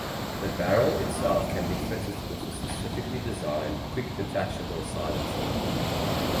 The barrel itself can be fitted with a specially designed quick-detachable silencer.